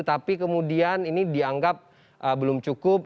tapi kemudian ini dianggap belum cukup